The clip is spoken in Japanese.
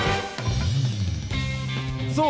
そう！